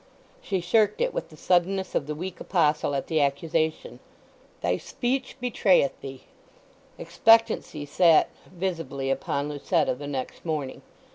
She shirked it with the suddenness of the weak Apostle at the accusation, "Thy speech bewrayeth thee!" Expectancy sat visibly upon Lucetta the next morning.